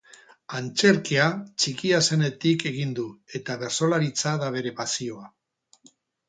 Antzerkia txikia zenetik egin du eta bertsolaritza da bere pasioa.